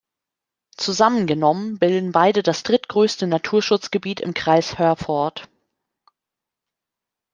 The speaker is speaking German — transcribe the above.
Zusammengenommen bilden beide das drittgrößte Naturschutzgebiet im Kreis Herford.